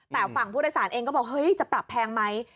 แต่ฝั่งผู้โดยสารเองก็บอกเฮ้ยจะปรับแพงไหม